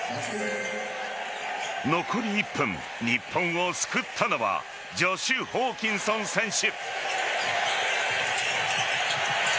残り１分、日本を救ったのはジョシュ・ホーキンソン選手。